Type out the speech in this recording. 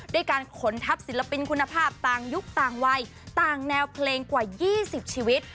ด้วยการขนทัพศิลปินคุณภาพต่างยุคต่างวัยต่างแนวเพลงกว่า๒๐ชีวิต